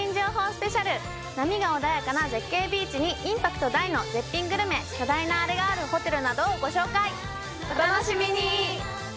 スペシャル波が穏やかな絶景ビーチにインパクト大の絶品グルメ巨大なあれがあるホテルなどをご紹介お楽しみに！